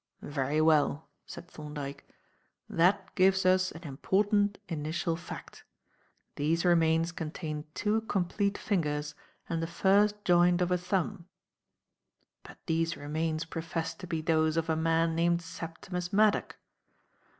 "Very well," said Thorndyke. "That gives us an important initial fact. These remains contained two complete fingers and the first joint of a thumb. But these remains profess to be those of a man named Septimus Maddock.